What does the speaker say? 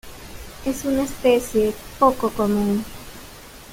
Es una especie poco común.